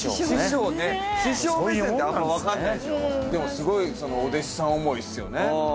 すごいそのお弟子サン思いっすよね